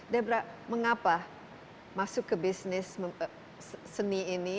debra mengapa masuk ke bisnis seni ini